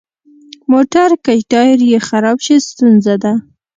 موټر که ټایر یې خراب شي، ستونزه ده.